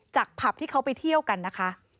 ผับที่เขาไปเที่ยวกันนะคะ